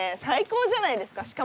最高じゃないですか。